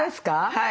はい。